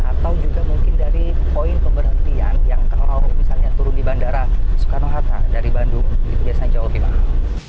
atau juga mungkin dari poin pemberhentian yang kalau misalnya turun di bandara soekarno hatta dari bandung itu biasanya jauh lebih mahal